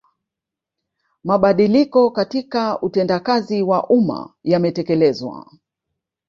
Mabadiliko katika utendakazi wa umma yametekelezwa